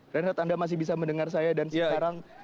reinhardt anda masih bisa mendengar saya dan sekarang